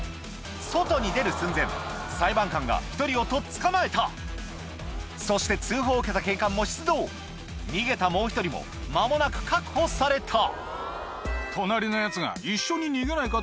外に出る寸前裁判官が１人をとっ捕まえたそして通報を受けた警官も出動逃げたもう１人も間もなく確保された